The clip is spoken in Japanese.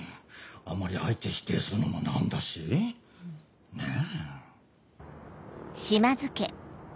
あんまり相手否定するのも何だしねぇ。